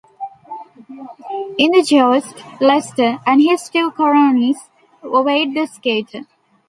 In the joust, Lester and his two cronies await the skater.